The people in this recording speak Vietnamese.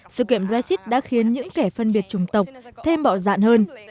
sự kiệm brexit đã khiến những kẻ phân biệt trùng tộc thêm bạo dạn hơn